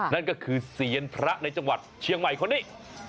นั่นก็คือเซียนพระในจังหวัดเชียงใหม่คนนี้